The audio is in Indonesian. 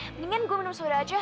mendingan gue minum soda aja